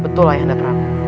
betul ayahanda prabu